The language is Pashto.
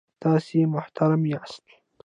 تاسې محترم یاست.